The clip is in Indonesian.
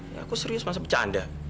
ya aku serius masa bercanda